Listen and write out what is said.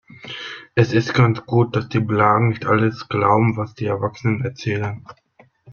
Es ist ganz gut, dass die Blagen nicht alles glauben, was die Erwachsenen erzählen.